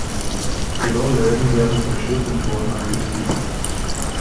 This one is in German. Die Rollläden werden von Schrittmotoren angetrieben.